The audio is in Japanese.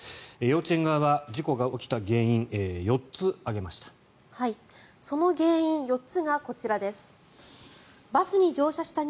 幼稚園側は事故が起きた原因４つ挙げました。